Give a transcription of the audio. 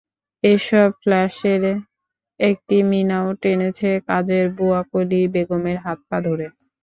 এসব ফ্লাশের একটি মিনাও টেনেছে, কাজের বুয়া কলি বেগমের হাত-পা ধরে।